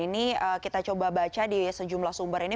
ini kita coba baca di sejumlah sumber ini